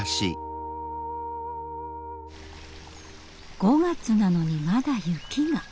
５月なのにまだ雪が！